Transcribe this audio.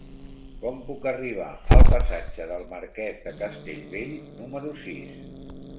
Com puc arribar al passatge del Marquès de Castellbell número sis?